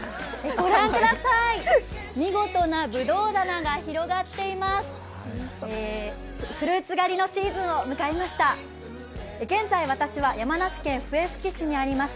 御覧ください、見事なぶどう棚が広がっています。